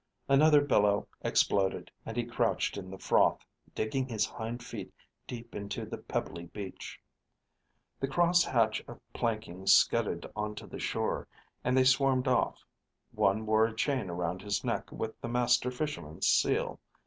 Another billow exploded and he crouched in the froth, digging his hind feet deep into the pebbly beach. The crosshatch of planking scudded onto the shore, and they swarmed off. One wore a chain around his neck with the Master Fisherman's seal.